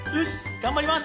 頑張ります！